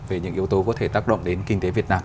về những yếu tố có thể tác động đến kinh tế việt nam